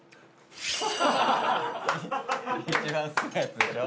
一番好きなやつでしょ。